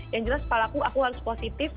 yang jelas palaku aku harus positif